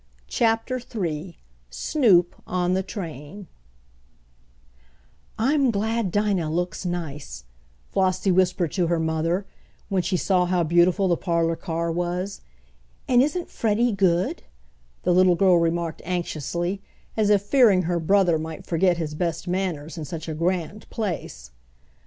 CHAPTER III SNOOP ON THE TRAIN "I'm glad Dinah looks nice," Flossie whispered to her mother, when she saw how beautiful the parlor car was. "And isn't Freddie good?" the little girl remarked anxiously, as if fearing her brother might forget his best manners in such a grand place.